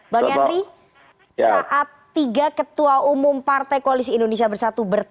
bang yandri saat tiga ketua umum partai koalisi indonesia bersatu bertemu